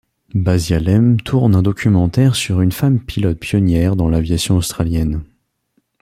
Basia Lem tourne un documentaire sur une femme pilote pionnière dans l'aviation australienne.